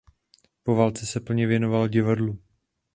Po válce se plně věnoval divadlu.